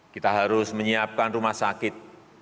kita harus menyiapkan rumah sakit